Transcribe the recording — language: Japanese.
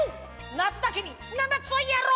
なつだけにななつをやろう！